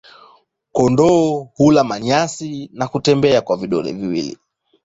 Kondoo hula manyasi na kutembea kwa vidole viwili.